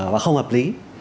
và không hợp lý